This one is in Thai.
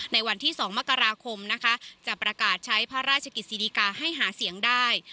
ในวันที่๒มกราคมนะคะจะประกาศใช้พระราชกิจสิริกาให้หาเสียงได้